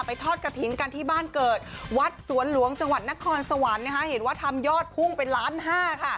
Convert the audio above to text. ทอดกระถิ่นกันที่บ้านเกิดวัดสวนหลวงจังหวัดนครสวรรค์นะคะเห็นว่าทำยอดพุ่งไปล้านห้าค่ะ